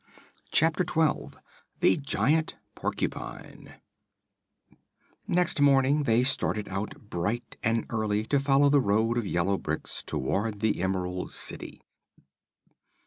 Chapter Twelve The Giant Porcupine Next morning they started out bright and early to follow the road of yellow bricks toward the Emerald City.